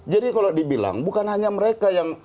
jadi kalau dibilang bukan hanya mereka yang